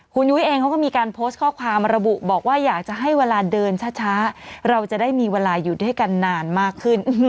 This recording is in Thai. คุณยุ้ยเองเขาก็มีการโพสต์ข้อความระบุบอกว่าอยากจะให้เวลาเดินช้าเราจะได้มีเวลาอยู่ด้วยกันนานมากขึ้น